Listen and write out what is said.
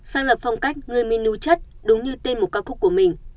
sáng lập phong cách người minh nuôi chất đúng như tên một ca khúc của mình